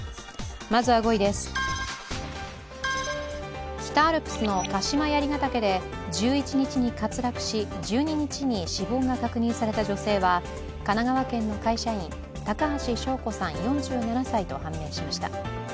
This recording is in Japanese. まずは５位です、北アルプスの鹿島槍ヶ岳で１１日に滑落し、１２日に死亡が確認された女性は、神奈川県の会社員、高橋聖子さん４７歳と判明しました。